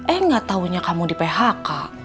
eh gak taunya kamu di phk